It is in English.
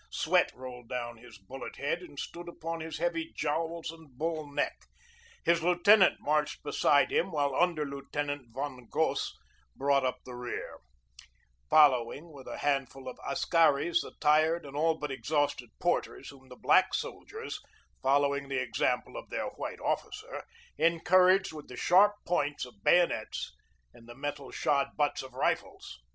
Sweat rolled down his bullet head and stood upon his heavy jowls and bull neck. His lieutenant marched beside him while Underlieutenant von Goss brought up the rear, following with a handful of askaris the tired and all but exhausted porters whom the black soldiers, following the example of their white officer, encouraged with the sharp points of bayonets and the metal shod butts of rifles.